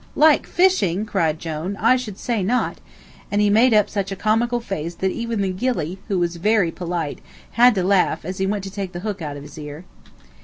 "Like fishing!" cried Jone. "I should say not," and he made up such a comical face that even the gilly, who was very polite, had to laugh as he went to take the hook out of his ear.